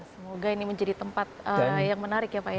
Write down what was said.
semoga ini menjadi tempat yang menarik ya pak ya